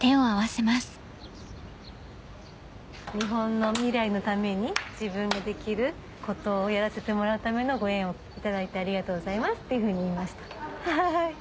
日本の未来のために自分ができることをやらせてもらうためのご縁を頂いてありがとうございますっていうふうに言いました。